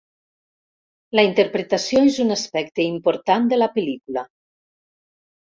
La interpretació és un aspecte important de la pel·lícula.